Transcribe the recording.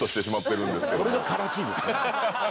それが悲しいですね。